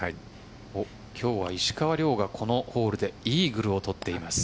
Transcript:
今日は石川遼が、このホールでイーグルをとっています。